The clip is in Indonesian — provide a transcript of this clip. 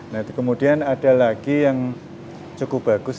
nah kemudian ada lagi yang cukup bagus